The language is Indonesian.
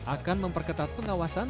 akan memperketat pengawasan